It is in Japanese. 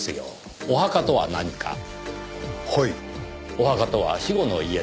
お墓とは死後の家です。